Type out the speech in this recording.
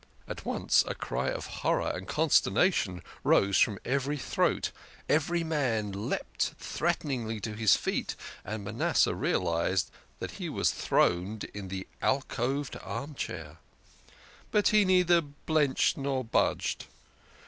At once a cry of horror and consternation rose from every throat, every man leapt threat eningly to his feet, and Manas seh realised that he was throned on the alcoved armchair ! But he neither blenched nor budged.